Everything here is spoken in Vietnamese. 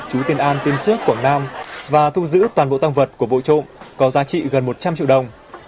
chú tiền an tiên phước quảng nam và thu giữ toàn bộ tăng vật của vụ trộm có giá trị gần một trăm linh triệu đồng